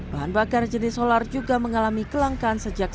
bahan bakar jenis solar juga mengalami kelangkaan sejak